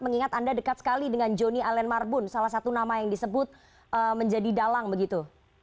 mengingat anda dekat sekali dengan joni allen marbun salah satu nama yang disebut menjadi dalang begitu